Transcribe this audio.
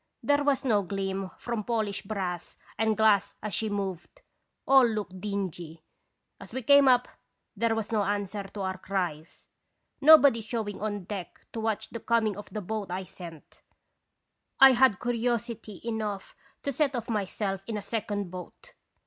There was no gleam from polished brass and glass as she moved ; all looked dingy. As we came up there was no answer to our cries. Nobody showing on deck to watch the coming of the boat I sent, I had curiosity enough to set off myself in a second boat.